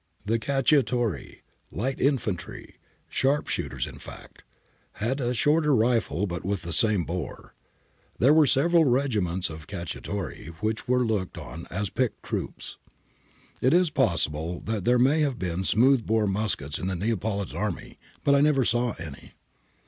I 328 APPENDIX E ' The Cacciatori — light infantry, sharp shooters in fact — had a shorter rifle, but with the same bore. There were several regiments of Cacciatori which were looked on as picked troops. It is possible that there may have been smooth bore muskets in the Neapolitan army, but I never saw any.'